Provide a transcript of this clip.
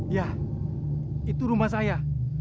ya itu rumah saya